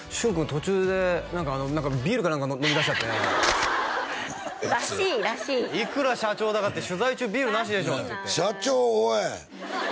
途中で何かビールかなんか飲みだしちゃってらしいらしいいくら社長だからって取材中ビールなしでしょって言って社長おい！